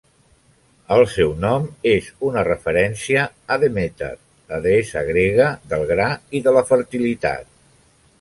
El seu nom és una referència a Demeter, la deessa grega del gra i de la fertilitat.